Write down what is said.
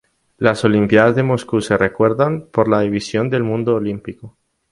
Las olimpiadas de Moscú se recuerdan por la división del mundo olímpico.